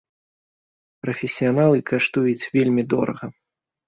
Прафесіяналы каштуюць вельмі дорага.